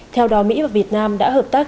theo đó mỹ và việt nam đã hợp tác